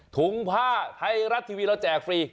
ถุงผ้าไทยรัฐทีวีเราแจกฟรี